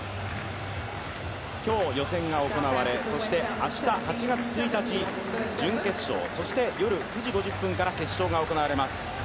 今日予選が行われ、そして明日８月１日準決勝、そして夜９時５０分から決勝が行われます。